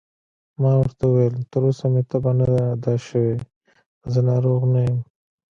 ما ورته وویل: تر اوسه مې تبه نه ده شوې، زه ناروغ نه یم.